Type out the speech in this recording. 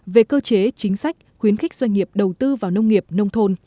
về cơ chế chính sách khuyến khích doanh nghiệp đầu tư vào nông nghiệp nông thôn